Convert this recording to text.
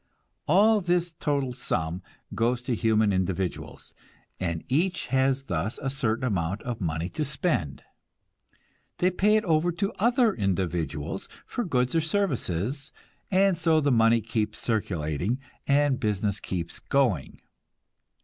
All this total sum goes to human individuals, and each has thus a certain amount of money to spend. They pay it over to other individuals for goods or services, and so the money keeps circulating, and business keeps going.